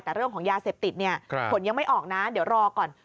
แต่เรื่องของยาเสพติดเนี่ยผลยังไม่ออกนะเดี๋ยวรอก่อน